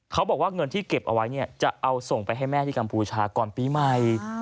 เขาบอกว่าเงินที่เก็บเอาไว้เนี่ยจะเอาส่งไปให้แม่ที่กัมพูชาก่อนปีใหม่